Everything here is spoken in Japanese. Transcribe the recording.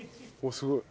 すごい。